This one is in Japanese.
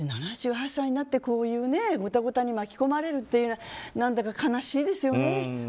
７８歳になってこういうゴタゴタに巻き込まれるというのは何だか悲しいですよね。